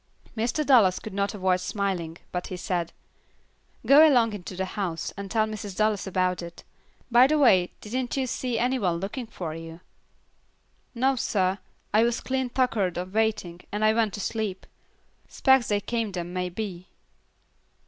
Mr. Dallas could not avoid smiling, but he said, "Go along into the house, and tell Mrs. Dallas about it. By the way, didn't you see any one looking for you?" "No, sah. I was clean tuckered a waitin', and I went to sleep. 'Specs they came then mebbe."